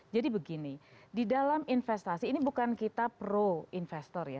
jadi begini di dalam investasi ini bukan kita pro investor ya